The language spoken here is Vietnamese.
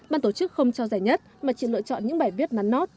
ban tổ chức không trao giải nhất mà chỉ lựa chọn những bài viết nắn nốt